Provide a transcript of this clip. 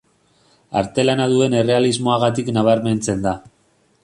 Artelana duen errealismoagatik nabarmentzen da.